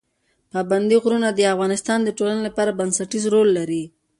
پابندي غرونه د افغانستان د ټولنې لپاره بنسټیز رول لري.